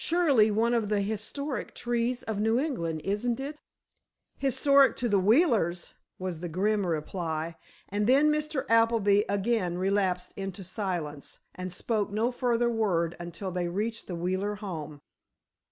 Surely one of the historic trees of New England, isn't it?" "Historic to the Wheelers," was the grim reply, and then Mr. Appleby again relapsed into silence and spoke no further word until they reached the Wheeler home.